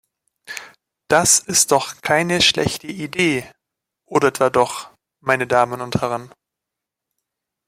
Das ist doch keine schlechte Idee, oder etwa doch, meine Damen und Herren?